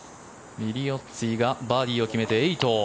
ミリオッツィがバーディーを決めて８。